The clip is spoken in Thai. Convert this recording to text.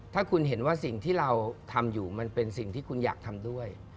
ถ้าคุณเห็นว่าสิ่งที่เราทำอยู่มันเป็นสิ่งที่คุณอยากทำด้วย